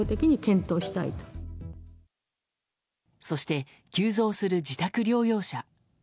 そして、急増する自宅療養者。